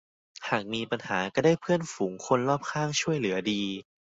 หากมีปัญหาก็จะได้เพื่อนฝูงคนรอบข้างช่วยเหลือดี